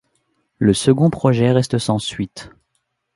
Le second projet reste sans suite.